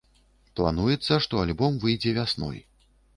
Плануецца, што альбом выйдзе вясной.